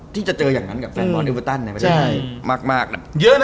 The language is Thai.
ที่จะเจออย่างนั้นกับแฟนบอร์ดเอเวอร์ตันเนี่ย